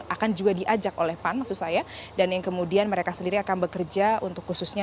akan juga diajak oleh pan maksud saya dan yang kemudian mereka sendiri akan bekerja untuk khususnya